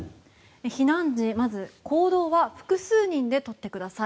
避難時、まず行動は複数人で取ってください。